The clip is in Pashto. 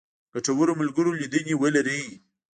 ګټورو ملګرو لیدنې ولرئ.